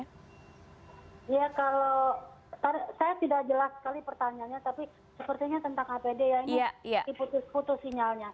ya kalau saya tidak jelas sekali pertanyaannya tapi sepertinya tentang apd ya ini diputus putus sinyalnya